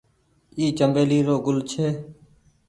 اي چمبيلي رو گل ڇي۔